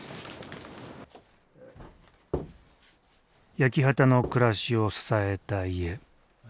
焼き畑の暮らしを支えた家。